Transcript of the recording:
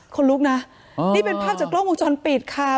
คนลุกนะนี่เป็นภาพจากกล้องวงจรปิดค่ะ